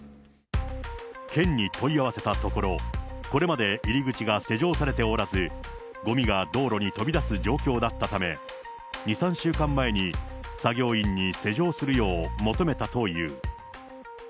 県に問い合わせたところ、これまで入り口が施錠されておらず、ごみが道路に飛び出す状況だったため、２、３週間前に作業員に施錠するよう求めたという。